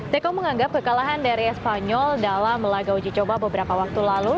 teko menganggap kekalahan dari espanyol dalam laga uji coba beberapa waktu lalu